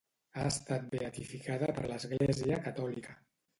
Ha estat beatificada per l'Església Catòlica.